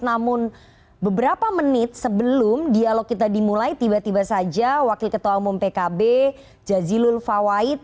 namun beberapa menit sebelum dialog kita dimulai tiba tiba saja wakil ketua umum pkb jazilul fawait